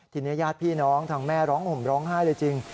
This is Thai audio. ทีนี้ญาติพี่น้องทางแม่ร้องห่มร้องไห้เลยจริง